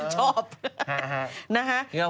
ชอบ